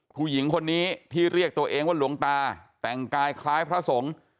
ผู้หญิงคนนี้ที่เรียกตัวเองว่าหลวงตาแต่งกายคล้ายพระสงฆ์